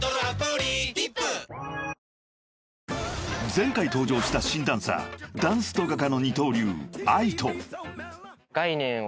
［前回登場した新ダンサーダンスと画家の二刀流ＡＩＴＯ］